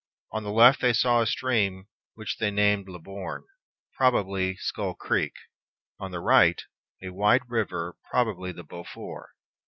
On the left they saw a stream which they named Libourne, probably Skull Creek; on the right, a wide river, probably the Beaufort.